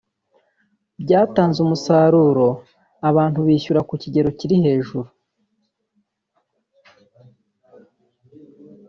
byatanze umusaruro abantu bishyura ku kigero kiri hejuru